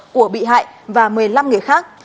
của bị hại và một mươi năm người khác